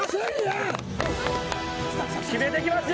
決めてきますよ。